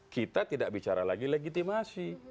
kita tidak bicara lagi legitimasi